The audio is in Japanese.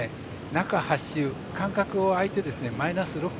中８週、間隔を空いてマイナス６ｋｇ。